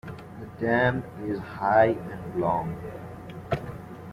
The dam is high and long.